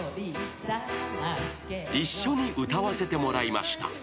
［一緒に歌わせてもらいました］